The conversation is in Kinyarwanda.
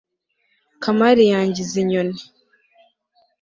kamari yangize inyoni